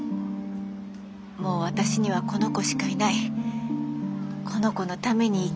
もう私にはこの子しかいないこの子のために生きようなんて。